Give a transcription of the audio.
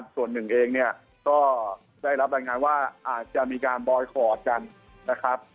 ส่วนหนึ่งเองก็ได้รับรายงานว่าอาจจะมีการบอยคอร์ดกัน